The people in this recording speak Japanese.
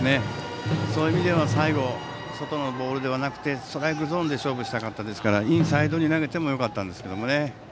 そういう意味での最後、外のボールではなくてストライクゾーンで勝負したかったですからインサイドに投げてもよかったんですけどね。